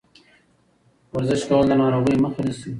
ورزش کول د ناروغیو مخه نیسي.